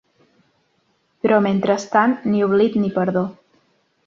Però mentrestant, ni oblit ni perdó.